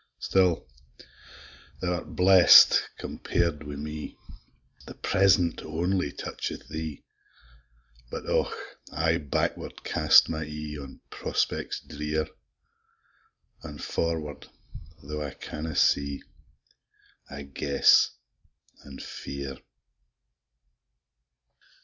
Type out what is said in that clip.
Still thou art blest, compar'd wi' me! The present only toucheth thee: But, Och! I backward cast my e'e, On prospects drear! An' forward, tho' I canna see, I guess an' fear.